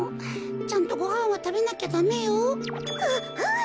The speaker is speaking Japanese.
ちゃんとごはんはたべなきゃダメよ。ははい！